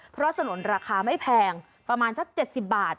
เพราะสนุนราคาไม่แพงประมาณสัก๗๐บาท